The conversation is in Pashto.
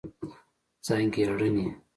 ځانګړنې: